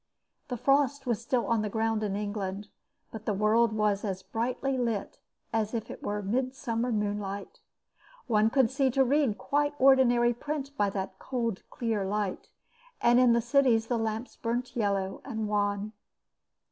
The frost was still on the ground in England, but the world was as brightly lit as if it were midsummer moonlight. One could see to read quite ordinary print by that cold clear light, and in the cities the lamps burnt yellow and wan.